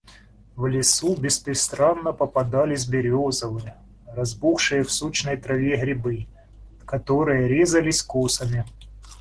В лесу беспрестанно попадались березовые, разбухшие в сочной траве грибы, которые резались косами.